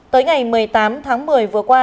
tới ngày một mươi tám tháng một mươi vừa qua